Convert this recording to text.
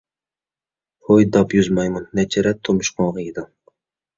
ھوي داپ يۈز مايمۇن! نەچچە رەت تۇمشۇقۇڭغا يېدىڭ.